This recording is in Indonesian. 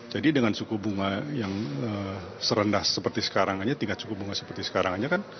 jadi dengan suku bunga yang serendah seperti sekarang hanya tingkat suku bunga seperti sekarang hanya kan